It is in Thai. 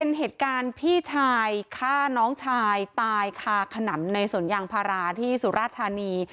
เป็นเหตุการณ์พี่ชายฆ่าน้องชายตายคาขนำในสวนยางพาราที่สุราธานี